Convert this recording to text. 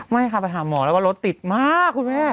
ไม่ค่ะไปหาหมอแล้วว่ารถติดมากคุณแม่